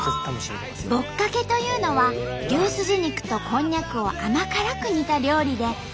「ぼっかけ」というのは牛すじ肉とこんにゃくを甘辛く煮た料理で長田のソウルフードなんと！